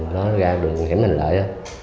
nó ra đường hẻm hành lợi